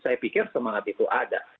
saya pikir semangat itu ada